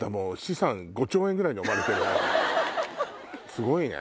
すごいね。